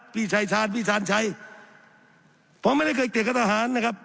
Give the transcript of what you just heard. พี่ชายชาญพี่ชาญชัยผมไม่ได้เคยเกลียดกับทหารนะครับ